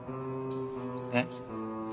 えっ？